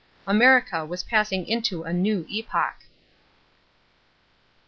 America was passing into a new epoch.